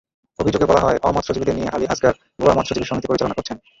অভিযোগে বলা হয়, অ-মৎস্যজীবীদের নিয়ে আলী আজগার ভুয়া মৎস্যজীবী সমিতি পরিচালনা করছেন।